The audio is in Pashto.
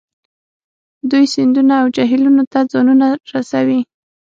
دوی سیندونو او جهیلونو ته ځانونه رسوي